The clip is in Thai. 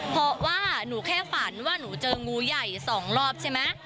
เพราะว่าหนูแค่ฝันว่าหนูเจองูใหญ่๒รอบใช่ไหม